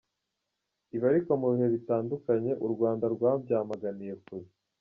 Ibi ariko mu bihe bitandukanye u Rwanda rwabyamaganiye kure.